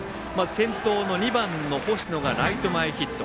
先頭の２番の星野がライト前ヒット。